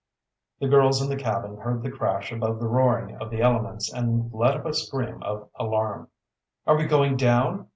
The girls in the cabin heard the crash above the roaring of the elements, and let up a scream of alarm. "Are we going down?"